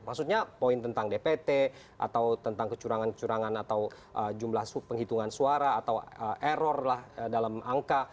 maksudnya poin tentang dpt atau tentang kecurangan kecurangan atau jumlah penghitungan suara atau error lah dalam angka